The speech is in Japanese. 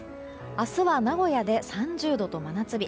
明日は名古屋で３０度と真夏日。